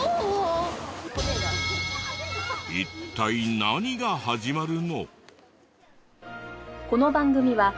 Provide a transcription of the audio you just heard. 一体何が始まるの？